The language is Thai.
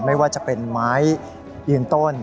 ไม่ว่าจะเป็นไม้ยืนต้น